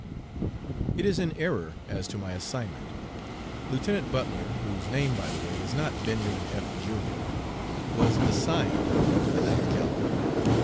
It is in error as to my assignment. Lieutenant Butler (whose name, by the way, is not Benjamin F., Jr.) was assigned to the Ninth Cavalry.